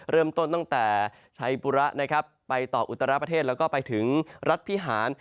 เริ่มต้นตั้งแต่ชัยปุระนะครับไปต่ออุตราประเทศแล้วก็ไปถึงรัฐพิหาร